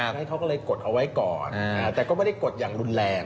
ให้เขาก็เลยกดเอาไว้ก่อนแต่ก็ไม่ได้กดอย่างรุนแรง